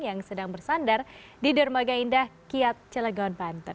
yang sedang bersandar di dermaga indah kiat celagawan pantai